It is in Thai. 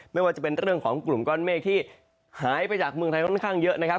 ไม่ว่าจะเป็นเรื่องของกลุ่มก้อนเมฆที่หายไปจากเมืองไทยค่อนข้างเยอะนะครับ